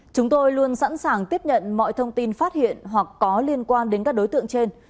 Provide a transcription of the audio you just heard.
chúng tôi luôn sẵn sàng tiếp nhận mọi thông tin phát hiện hoặc có liên quan đến các đối tượng trên